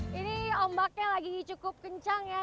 wah ini ombaknya lagi cukup kencang ya